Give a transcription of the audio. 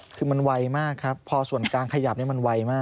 คือมันไวมากครับพอส่วนกลางขยับมันไวมาก